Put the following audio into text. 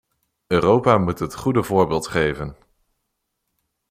Europa moet het goede voorbeeld geven.